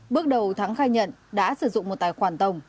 bước đầu thắng khai nhận đã sử dụng một tài khoản tổng